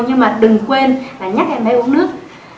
nhưng mà đừng quên nhắc em bé uống nước